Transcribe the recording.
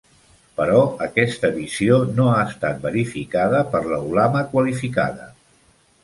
Però aquesta visió no ha estat verificada per la Ulama qualificada.